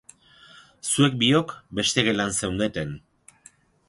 Zuek biok beste gelan zeundeten.